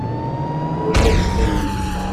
Uriɣ-ten.